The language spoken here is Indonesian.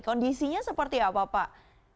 kondisinya seperti apa pak